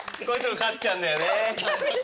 勝っちゃうんだよね。